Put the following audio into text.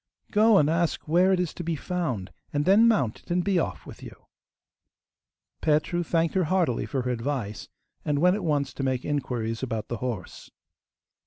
Go and ask where it is to be found, and then mount it and be off with you.' Petru thanked her heartily for her advice, and went at once to make inquiries about the horse.